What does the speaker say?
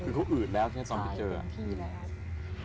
คือเขาอืดแล้วที่นี่ซอมพี่เจอ